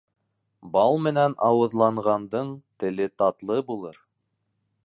Бал менән ауыҙланғандың, теле татлы булыр.